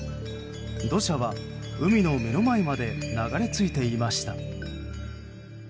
土砂は海の目の前まで流れ着いていました。